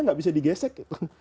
nggak bisa digesek